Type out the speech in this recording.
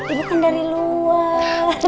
ibu kan dari luar